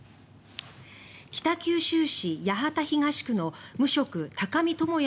北九州市八幡東区の無職・高見智哉